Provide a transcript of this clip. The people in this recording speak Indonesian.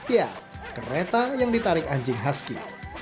ya kereta yang ditarik anjing haski